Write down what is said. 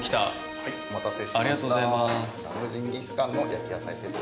はい、お待たせしました。